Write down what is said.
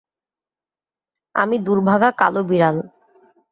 আমি দুর্ভাগা কালো বিড়াল।